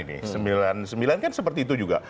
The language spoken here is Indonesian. ini sembilan puluh sembilan kan seperti itu juga